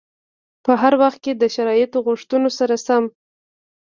په هر وخت کې د شرایطو غوښتنو سره سم.